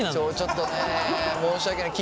ちょっとね申し訳ない。